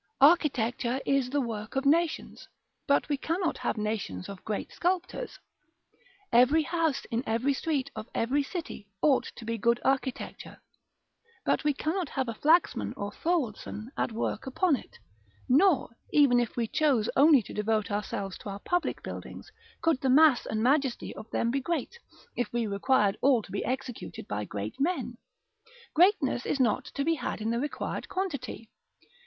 Architecture is the work of nations; but we cannot have nations of great sculptors. Every house in every street of every city ought to be good architecture, but we cannot have Flaxman or Thorwaldsen at work upon it: nor, even if we chose only to devote ourselves to our public buildings, could the mass and majesty of them be great, if we required all to be executed by great men; greatness is not to be had in the required quantity.